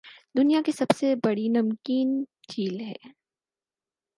دنیاکی سب سے بڑی نمکین جھیل ہے